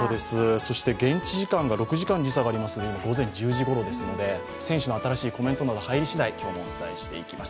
そして現地時間が６時間時差ありますので今、午前１１時頃なので選手の新しいコメントなど入り次第、お伝えしていきます。